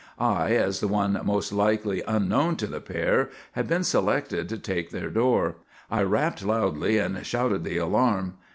I, as the one most likely unknown to the pair, had been selected to take their door. I rapped loudly and shouted the alarm.